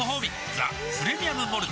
「ザ・プレミアム・モルツ」